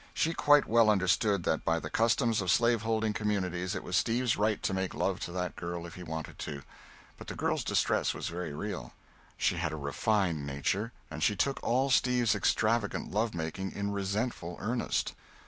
She quite well understood that by the customs of slaveholding communities it was Steve's right to make love to that girl if he wanted to. But the girl's distress was very real. She had a refined nature, and she took all Steve's extravagant love making in resentful earnest.